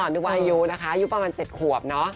นึกว่าอายุนะคะอายุประมาณ๗ขวบเนอะ